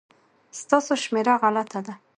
ستاسو شمېره غلطه ده